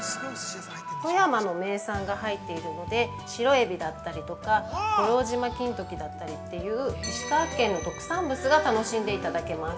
◆富山の名産が入っているので、白エビだったりとか五郎島金時だったりっていう石川県の特産物が楽しんでいただけます。